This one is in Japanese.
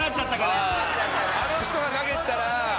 あの人が投げてたら。